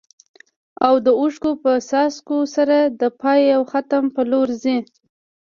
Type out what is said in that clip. او د اوښکو په څاڅکو سره د پای او ختم په لور ځي.